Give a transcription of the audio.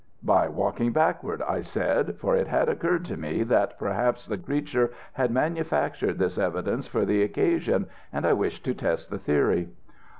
"'By walking backward,' I said. For it had occurred to me that perhaps the creature had manufactured this evidence for the occasion, and I wished to test the theory."